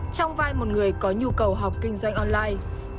trong vai một người có nhu cầu học kinh doanh online